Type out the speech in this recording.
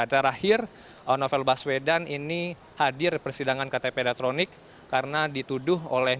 dan terakhir novel baswedan ini hadir persidangan ktp elektronik karena dituduh oleh